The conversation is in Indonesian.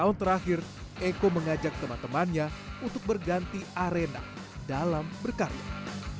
tahun terakhir eko mengajak teman temannya untuk berganti arena dalam berkarya